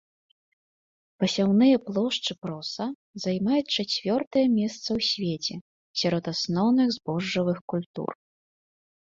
Пасяўныя плошчы проса займаюць чацвёртае месца ў свеце сярод асноўных збожжавых культур.